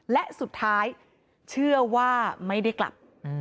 และสุดท้ายเชื่อว่าไม่ได้กลับ